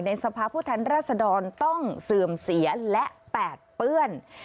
สภาพผู้แทนรัศดรต้องเสื่อมเสียและแปดเปื้อน